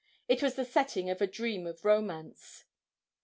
It was the setting of a dream of romance.